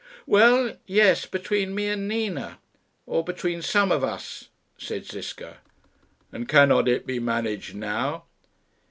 "Well, yes; between me and Nina or between some of us," said Ziska. "And cannot it be managed now?"